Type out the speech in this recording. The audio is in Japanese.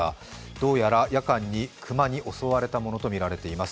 どうやら夜間に熊に襲われたものとみられています。